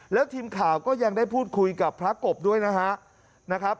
แล้วทีมข่าวก็ยังได้พูดคุยกับพระกบด้วยนะครับ